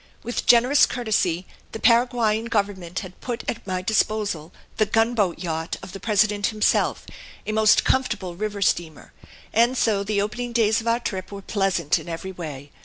With generous courtesy the Paraguayan Government had put at my disposal the gunboat yacht of the President himself, a most comfortable river steamer, and so the opening days of our trip were pleasant in every way.